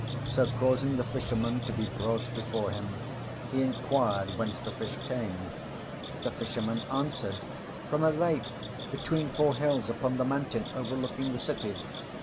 So causing the fisherman to be brought before him, he inquired whence the fish came. The fisherman answered, "From a lake between four hills upon the mountain overlooking the city."